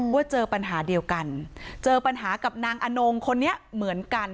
ว่าเจอปัญหาเดียวกันเจอปัญหากับนางอนงคนนี้เหมือนกัน